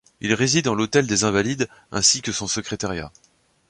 Il réside en l'hôtel des Invalides, ainsi que son secrétariat.